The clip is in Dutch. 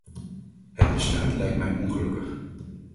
Het besluit lijkt mij ongelukkig.